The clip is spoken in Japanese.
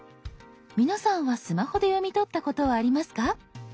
皆さんはスマホで読み取ったことはありますか？